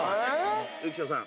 浮所さん